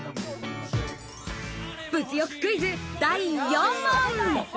物欲クイズ、第４問。